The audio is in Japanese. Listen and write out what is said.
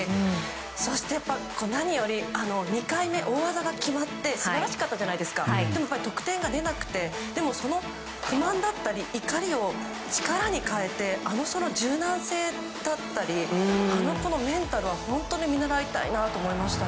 そして、何より２回目、大技が決まって素晴らしかったじゃないですかでも得点が出なくてでもその不満だったり怒りを力に変えてあの柔軟性だったりメンタルは本当に見習いたいなと思いました。